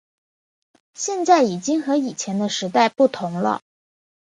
现在已经和以前的时代不同了